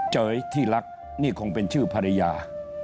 เจ๋ยที่รักนี่คงเป็นชื่อภรรยา